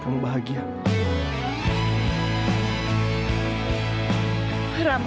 tapi saya sudah kekal karansa